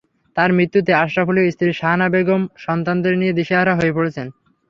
তাঁর মৃত্যুতে আশরাফুলের স্ত্রী শাহানা বেগম সন্তানদের নিয়ে দিশেহারা হয়ে পড়েছেন।